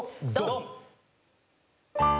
ドン！